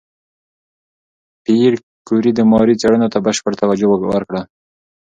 پېیر کوري د ماري څېړنو ته بشپړ توجه ورکړه.